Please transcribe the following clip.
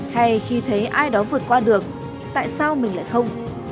hay khi thấy ai đó vượt qua được tại sao mình lại không